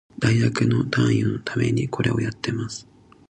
大学の単位取得のためにこれをやってます